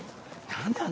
何だ？